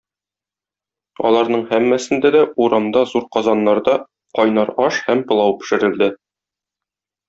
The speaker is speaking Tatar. Аларның һәммәсендә дә урамда зур казаннарда кайнар аш һәм пылау пешерелде.